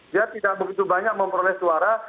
dia tidak begitu banyak memperoleh suara